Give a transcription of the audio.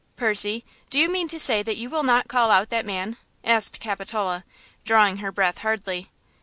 "Percy, do you mean to say that you will not call out that man?" asked Capitola, drawing her breath hardly.